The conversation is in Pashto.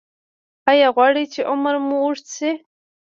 ایا غواړئ چې عمر مو اوږد شي؟